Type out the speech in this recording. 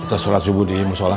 kita sholat subuh diimu sholah